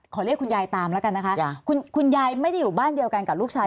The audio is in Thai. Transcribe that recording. เรียกคุณยายตามแล้วกันนะคะคุณยายไม่ได้อยู่บ้านเดียวกันกับลูกชาย